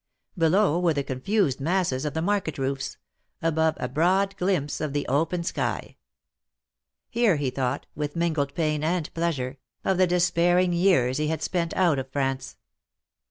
Below were the confused masses of the market roofs; above, a broad glimpse of the open sky. Here he thought, with mingled pain and pleasure, of the despairing years he had spent out of France.